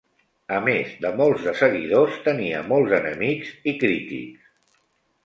A més de molts de seguidors, tenia molts enemics i crítics.